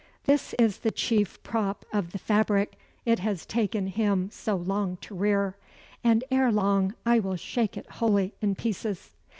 This is the chief prop of the fabric it has taken him so long to rear, and ere long I will shake it wholly in pieces."